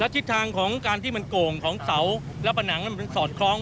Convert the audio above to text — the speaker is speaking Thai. และทิศทางก่อนที่มันโก่งของเสาและประหนังมันสอดคร้อง